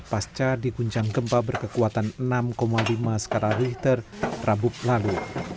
pasca diguncang gempa berkekuatan enam lima skala richter rabu lalu